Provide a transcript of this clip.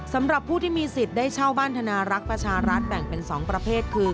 สำหรับผู้ที่มีสิทธิ์ได้เช่าบ้านธนารักษ์ประชารัฐแบ่งเป็น๒ประเภทคือ